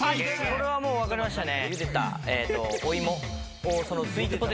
これはもう分かりましたね。